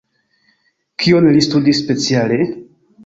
Kion li studis speciale?